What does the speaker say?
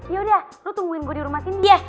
ya udah lo tungguin gue di rumah cindy ya